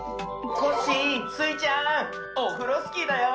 コッシースイちゃんオフロスキーだよ。